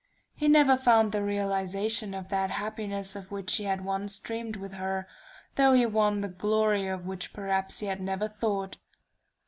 He never found the realization of that happiness of which he had once dreamed with her, though he won the glory of which perhaps he had never thought.